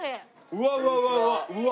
うわうわうわうわ。